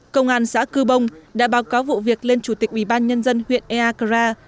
công an xã cư bông đã báo cáo vụ việc lên chủ tịch ủy ban nhân dân huyện eakra